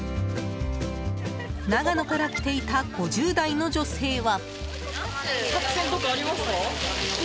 長野から来ていた５０代の女性は。